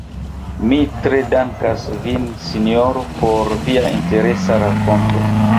Mi tre dankas vin, sinjoro, por via interesa rakonto.